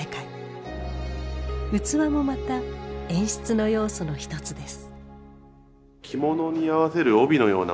器もまた演出の要素の一つです。